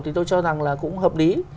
thì tôi cho rằng là cũng hợp lý